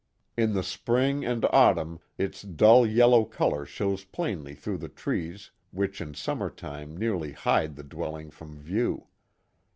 In the spring and autumn its dull yellow color shows plainly through the trees which in summer time nearly hide the dwelling from view.